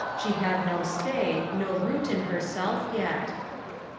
she had no stay, no root in herself yet.